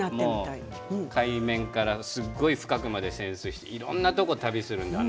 海面から、すごい深くまでいっていろんなところを旅するんですよ